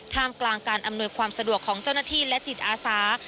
กลางการอำนวยความสะดวกของเจ้าหน้าที่และจิตอาสา